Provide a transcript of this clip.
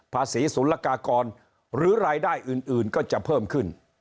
ภาษีศุลกากรหรือรายได้อื่นอื่นก็จะเพิ่มขึ้น